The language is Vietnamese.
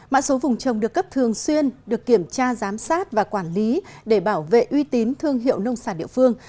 mã số vùng trồng được cấp thường xuyên được kiểm tra giám sát và quản lý để bảo vệ uy tín thương hiệu nông sản địa phương